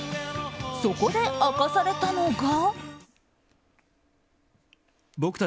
そこで明かされたのが。